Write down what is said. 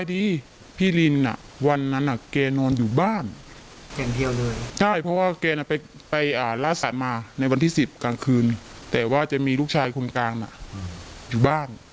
ตัวพี่รินเองเคยมีความขัดแย้งกับพ่อแม่น้องชมพู่ไหมครับ